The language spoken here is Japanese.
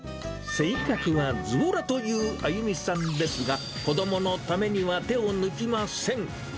性格はずぼらというあゆみさんですが、子どものためには手を抜きません。